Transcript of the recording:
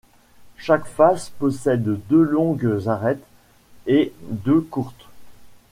Chaque face possède deux longues arêtes et deux courtes.